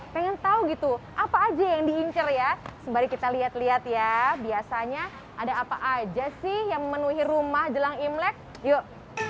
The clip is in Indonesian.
pengen tahu gitu apa aja yang dihincar ya sembari kita lihat lihat ya biasanya ada apa aja sih yang memenuhi rumah jelang imlek yuk